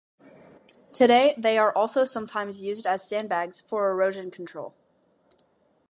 Today they are also sometimes used as sandbags for erosion control.